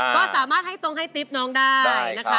ก็สามารถให้ตรงให้ติ๊บน้องได้นะคะ